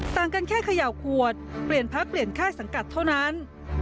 ต่างกันแค่เขย่าขวดเปลี่ยนพักเปลี่ยนค่ายสังกัดเท่านั้น